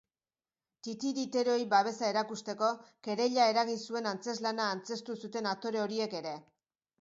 Titiriteroei babesa erakusteko, kereila eragin zuen antzezlana antzeztu zuten aktore horiek ere.